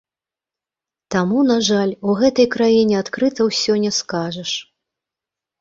Таму, на жаль, у гэтай краіне адкрыта ўсё не скажаш.